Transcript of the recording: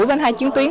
bên hai chiến tuyến